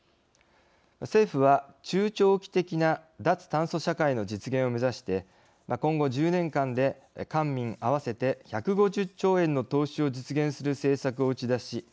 政府は中長期的な脱炭素社会の実現を目指して今後１０年間で官民合わせて１５０兆円の投資を実現する政策を打ち出し